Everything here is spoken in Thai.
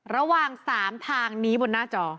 ระหว่าง๓ทางนี้บนหน้าจอ